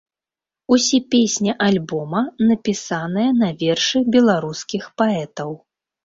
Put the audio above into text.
Усе песні альбома напісаныя на вершы беларускіх паэтаў.